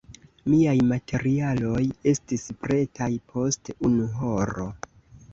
Miaj materialoj estis pretaj post unu horo.